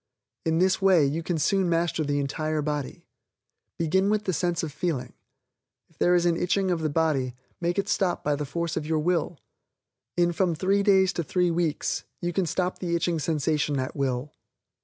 In this way, you can soon master the entire body. Begin with the sense of feeling. If there is an itching of the body, make it stop by the force of your will. In from three days to three weeks, you can stop the itching sensation at will.